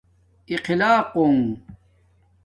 اخلاقونݣ